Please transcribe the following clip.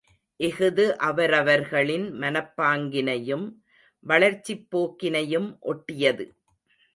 இஃது அவரவர்களின் மனப்பாங்கினையும் வளர்ச்சிப் போக்கினையும் ஒட்டியது.